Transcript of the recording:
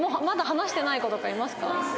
まだ話してない子とかいますか？